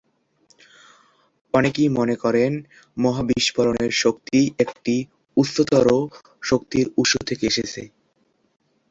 অনেকেই মনে করেন, মহা বিস্ফোরণের শক্তি একটি উচ্চতর শক্তির উৎস থেকে এসেছে।